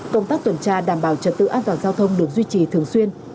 công tác tuần tra đảm bảo trật tự an toàn giao thông được duy trì thường xuyên